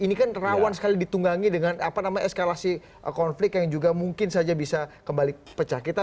ini kan rawan sekali ditunggangi dengan apa namanya eskalasi konflik yang juga mungkin saja bisa kembali pecah